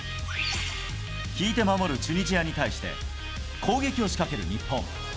引いて守るチュニジアに対して、攻撃を仕掛ける日本。